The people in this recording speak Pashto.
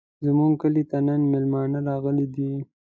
زموږ کلي ته نن مېلمانه راغلي دي.